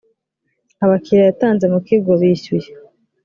abakiliya yatanze mu kigo bishyuye.